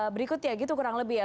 berikut ya gitu kurang lebih ya